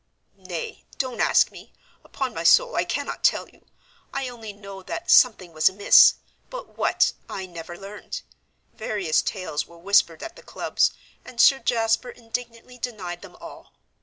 "Nay, don't ask me; upon my soul I cannot tell you. I only know that something was amiss, but what I never learned. Various tales were whispered at the clubs, and Sir Jasper indignantly denied them all.